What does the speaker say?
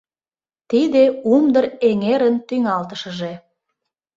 Тиде Умдыр эҥерын тӱҥалтышыже.